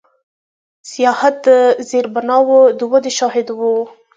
د سیاحت د زیربناوو د ودې شاهد و.